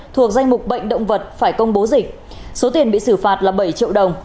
thuộc danh mục bệnh động vật phải công bố dịch số tiền bị xử phạt là bảy triệu đồng